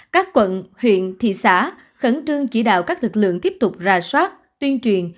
các quận huyện thị xã khẩn trương chỉ đạo các lực lượng tiếp tục ra soát tuyên truyền